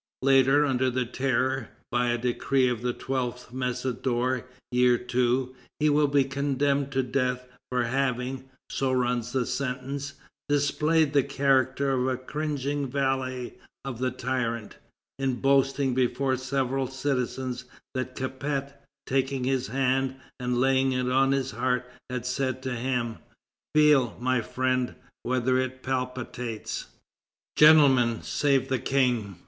Later, under the Terror, by a decree of the 12th Messidor, Year II., he will be condemned to death for having so runs the sentence "displayed the character of a cringing valet of the tyrant, in boasting before several citizens that Capet, taking his hand and laying it on his heart, had said to him, 'Feel, my friend, whether it palpitates.'" "Gentlemen, save the King!"